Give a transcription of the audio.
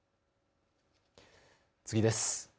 次です。